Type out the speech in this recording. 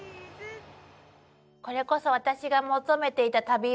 これこそ私が求めていた旅よ。